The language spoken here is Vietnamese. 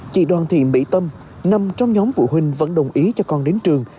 chị đoàn thiện bỉ tâm nằm trong nhóm phụ huynh vẫn đồng ý cho con đến trường